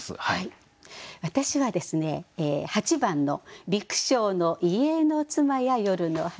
私はですね８番の「微苦笑の遺影の妻や夜の蠅」。